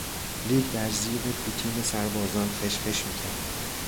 ریگ در زیر پوتین سربازان خش خش میکرد.